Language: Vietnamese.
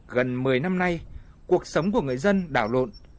gần một mươi năm nay cuộc sống của người dân đảo lộn